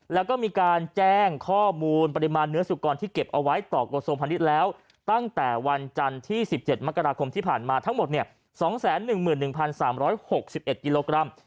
แล้วก็มีการแจ้งข้อมูลปริมาณเนื้อสุกรที่เก็บเอาไว้ต่อกระทรวงพาณิชย์แล้วตั้งแต่วันจันทร์ที่๑๗มกราคมที่ผ่านมาทั้งหมด๒๑๑๓๖๑กิโลกรัม